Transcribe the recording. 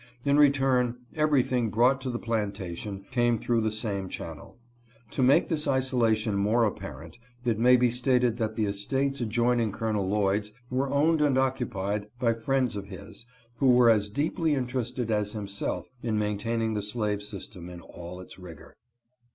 In return, every thing brought to the plantation came through the same channel. To make this isolation more apparent, it may be stated that the estates adjoining Col. Lloyd's were owned and occupied by friends of his, who were as deeply interested as himself in maintaining the slave sys tem in all its rigor.